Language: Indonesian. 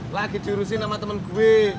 lagi diurusin sama temen gue